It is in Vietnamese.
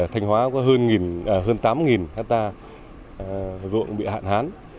thanh hóa có hơn tám hectare ruộng bị hạn hán